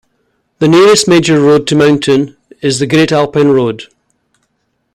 The nearest major road to mountain is the Great Alpine Road.